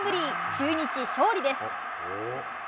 中日、勝利です。